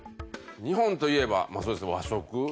日本といえばそうですね和食。